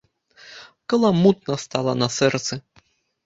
Каламутна стала на сэрцы.